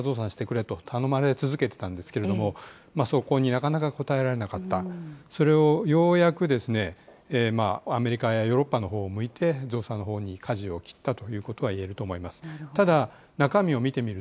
ここまでとにかく追加増産してくれと頼まれ続けてたんですけれども、そこになかなか応えられなかった、それをようやくアメリカやヨーロッパのほうを向いて、増産のほうにかじを切ったということは言えると思います。